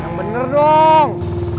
yang bener dong